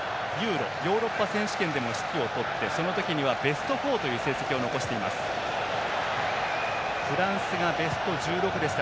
ヨーロッパ選手権でも指揮を執って、その時にはベスト４という成績を残しています。